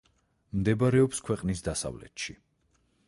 მდებარეობს ქვეყნის დასავლეთში.